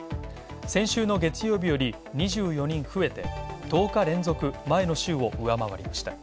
先週の月曜日より２４人増えて１０日連続、前の週を上回りました。